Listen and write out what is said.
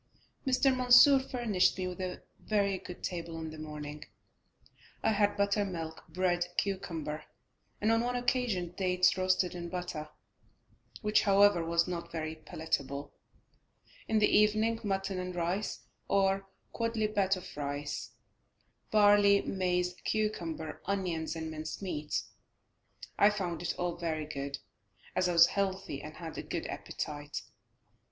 Mr. Mansur furnished me with a very good table in the morning, I had buttermilk, bread, cucumber, and on one occasion dates roasted in butter, which, however, was not very palatable; in the evening mutton and rice, or a quodlibet of rice, barley, maize, cucumber, onions and minced meat. I found it all very good as I was healthy, and had a good appetite.